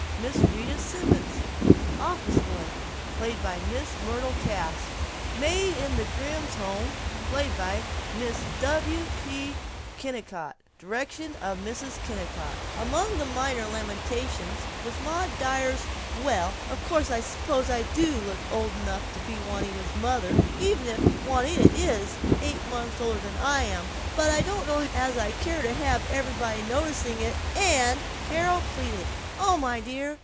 Miss Rita Simons Office boy ........ Miss Myrtle Cass Maid in the Grimms' home .... Mrs. W. P. Kennicott Direction of Mrs. Kennicott Among the minor lamentations was Maud Dyer's "Well of course I suppose I look old enough to be Juanita's mother, even if Juanita is eight months older than I am, but I don't know as I care to have everybody noticing it and " Carol pleaded, "Oh, my DEAR!